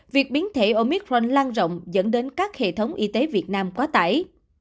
việc biến thể omitrand lan rộng dẫn đến các hệ thống y tế việt nam quá tải